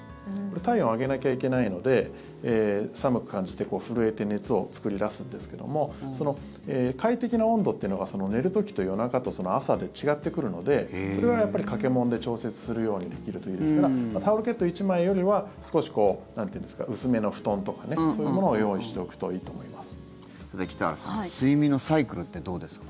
体温を上げなきゃいけないので寒く感じて震えて熱を作り出すんですけども快適な温度っていうのが寝る時と夜中と朝で違ってくるのでそれはやっぱり掛け物で調節するようにできるといいですからタオルケット１枚よりは少し薄めの布団とかねそういうものを用意しておくといいと思います。